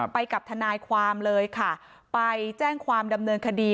ไปกับทนายความเลยค่ะไปแจ้งความดำเนินคดี